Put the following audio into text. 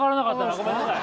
ごめんなさい。